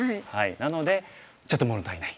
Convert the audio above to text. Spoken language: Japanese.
なのでちょっと物足りない。